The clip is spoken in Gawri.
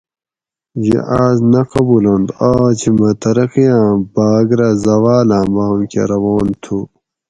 یہ آۤس نہ قبولنت آج مۤہ ترقی آۤں باۤگ رہ زواۤلاۤں بام کہ روان تُھو